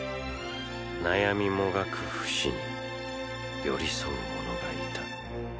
悩みもがくフシに寄り添う者がいた。